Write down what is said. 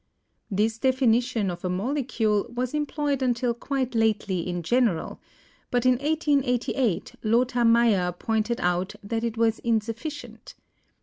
This definition of a molecule was employed until quite lately in general, but in 1888 Lothar Meyer pointed out that it was insufficient.